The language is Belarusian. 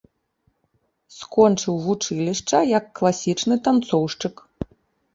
Скончыў вучылішча як класічны танцоўшчык.